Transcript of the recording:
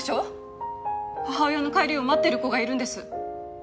母親の帰りを待ってる子がいるんです！